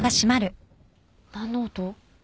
何の音？